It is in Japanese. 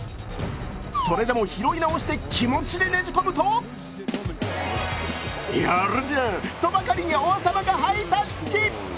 それでも拾い直して気持ちでねじ込むとやるじゃんとばかりに王様がハイタッチ。